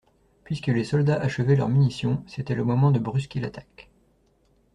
Puisque les soldats achevaient leurs munitions, c'était le moment de brusquer l'attaque.